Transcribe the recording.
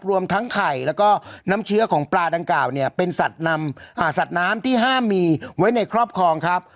รวมทั้งไข่แล้วก็น้ำเชื้อของปลาดังกล่าวเนี่ยเป็นสัตว์นำสัตว์น้ำที่ห้ามมีไว้ในครอบครองครับ